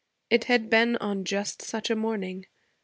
It had been on just such a morning.